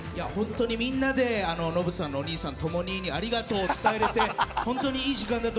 みんなでノブさんのお兄さんとも兄にありがとうを伝えられて本当にいい時間でした。